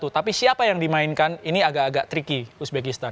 tapi siapa yang dimainkan ini agak agak tricky uzbekistan